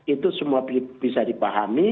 itu semua bisa dipahami